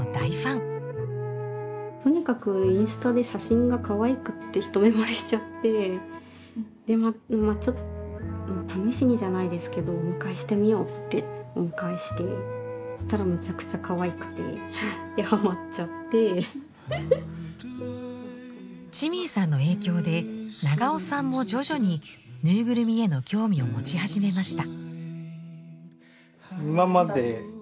とにかくインスタで写真がかわいくって一目惚れしちゃってまあちょっと試しにじゃないですけどお迎えしてみようってチミーさんの影響で永尾さんも徐々にぬいぐるみへの興味を持ち始めました。